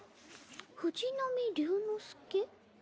藤波竜之介？